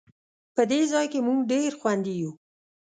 په دې ځای کې مونږ ډېر خوندي یو